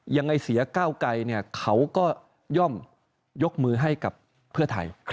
ยังไงเสียก้าวไกรเขาก็ย่อมยกมือให้กับเพื่อไทย